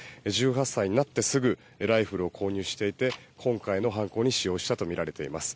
１８歳になってすぐライフルを購入していて今回の犯行に使用したとみられています。